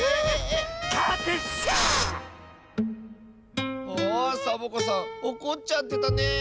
あサボ子さんおこっちゃってたね。